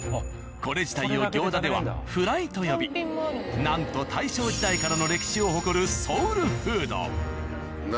これ自体を行田ではフライと呼びなんと大正時代からの歴史を誇るソウルフード。